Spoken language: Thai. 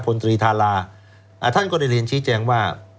พลตรีธาราท่านก็ได้เรียนชี้แจงว่า